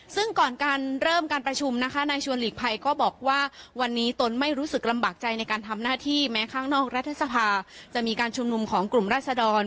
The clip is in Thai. ซึ่งก่อนการเริ่มการประชุมนะคะนายชวนหลีกภัยก็บอกว่าวันนี้ตนไม่รู้สึกลำบากใจในการทำหน้าที่แม้ข้างนอกรัฐสภาจะมีการชุมนุมของกลุ่มราศดร